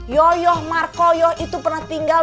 yoyoh markoyoh itu pernah tinggal